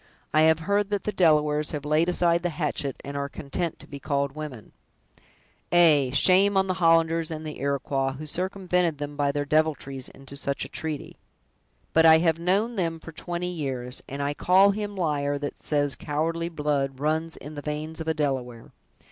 I have heard that the Delawares have laid aside the hatchet, and are content to be called women!" "Aye, shame on the Hollanders and Iroquois, who circumvented them by their deviltries, into such a treaty! But I have known them for twenty years, and I call him liar that says cowardly blood runs in the veins of a Delaware.